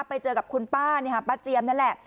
ไปเจอกับคุณป้าเนี่ยค่ะป้าเจียมนั่นแหละ